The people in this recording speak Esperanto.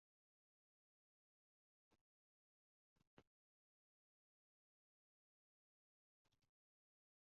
Liaj bildoj estas krudaj kaj tradukas malfacilan realecon.